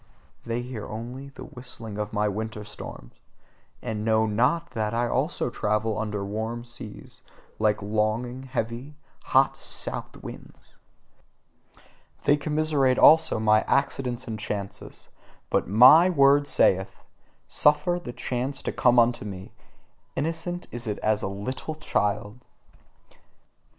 They hear only the whistling of my winter storms: and know NOT that I also travel over warm seas, like longing, heavy, hot south winds. They commiserate also my accidents and chances: but MY word saith: "Suffer the chance to come unto me: innocent is it as a little child!"